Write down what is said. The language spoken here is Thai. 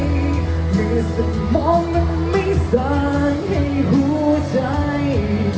ไม่ใช่เหมือนเธอหมดหัวใจ